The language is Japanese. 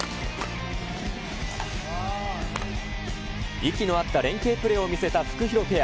息の合った連係プレーを見せたフクヒロペア。